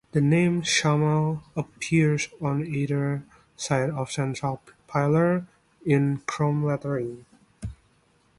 The name "Shamal" appears on either side of the central pillar in chrome lettering.